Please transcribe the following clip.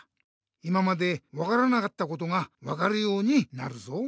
今まで分からなかったことが分かるようになるぞ。